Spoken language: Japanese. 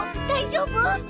大丈夫？